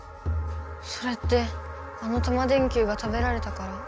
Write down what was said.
それってあのタマ電Ｑが食べられたから？